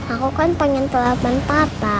aku kan pengen telepon papa